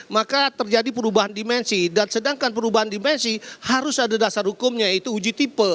maka terjadi perubahan dimensi dan sedangkan perubahan dimensi harus ada dasar hukumnya yaitu uji tipe